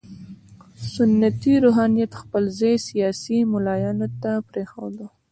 سنتي روحانیت خپل ځای سیاسي ملایانو ته پرېښود.